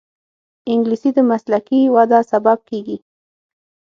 انګلیسي د مسلکي وده سبب کېږي